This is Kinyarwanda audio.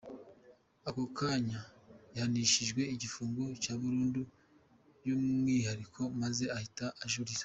Ako kanya yahanishijwe igifungo cya burundu y’umwihariko maze ahita ajurira.